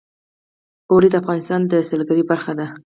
اوړي د افغانستان د سیلګرۍ برخه ده.